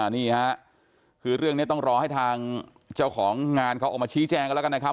นี่ค่ะคือเรื่องนี้ต้องรอให้ทางเจ้าของงานเขาออกมาชี้แจงกันแล้วกันนะครับ